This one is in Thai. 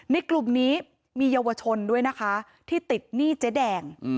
กลุ่มนี้มีเยาวชนด้วยนะคะที่ติดหนี้เจ๊แดง